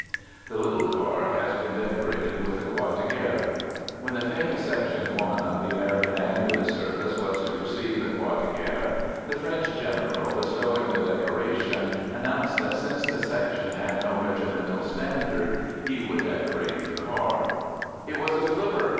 The little car has been decorated with the Croix de Guerre. When the famous Section I of the American Ambulance service was to receive the Croix de Guerre, the French general bestowing the decoration announced that since the section had no regimental standard, he would " decorate " the car. " It was a flivver!